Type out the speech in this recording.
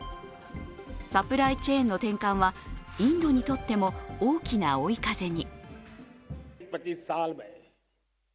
サプライチェーンの転換はインドにとっても大きな追い風に。